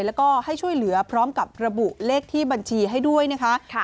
แล้วก็ให้ช่วยเหลือพร้อมกับระบุเลขที่บัญชีให้ด้วยนะคะ